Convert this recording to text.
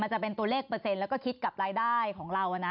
จะเป็นตัวเลขเปอร์เซ็นต์แล้วก็คิดกับรายได้ของเรานะ